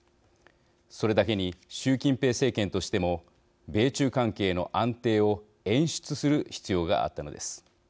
それだけに習近平政権としても米中関係の安定を演出する必要があったのです。